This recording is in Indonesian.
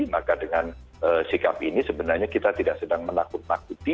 maka dengan sikap ini sebenarnya kita tidak sedang menakut nakuti